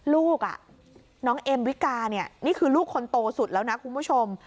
ลูกน้องเอ็มวิกาเนี่ยนี่คือลูกคนโตสุดแล้วนะคุณผู้ชม